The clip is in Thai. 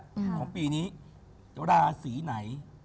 ของปีนี้ราศีไหน